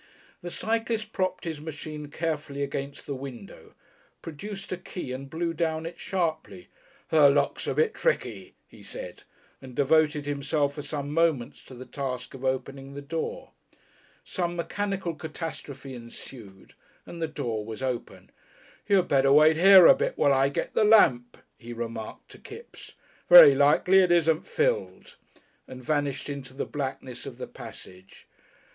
The cyclist propped his machine carefully against the window, produced a key and blew down it sharply. "The lock's a bit tricky," he said, and devoted himself for some moments to the task of opening the door. Some mechanical catastrophe ensued and the door was open. "You'd better wait here a bit while I get the lamp," he remarked to Kipps; "very likely it isn't filled," and vanished into the blackness of the passage.